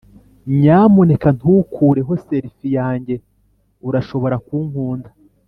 nyamuneka ntukureho selfie yanjye, urashobora kunkunda.